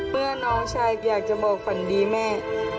เมื่อน้องชายอยากจะบอกฝันดีแม่